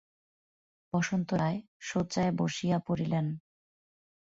বসন্ত রায় শয্যায় বসিয়া পড়িলেন।